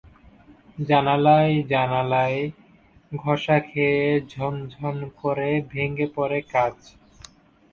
জানালায় জানালায় ঘষা খেয়ে ঝনঝন করে ভেঙে পড়ে কাচ।